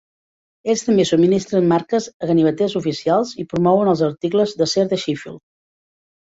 Ells també subministren marques a ganiveters oficials i promouen els articles d"acer de Sheffield.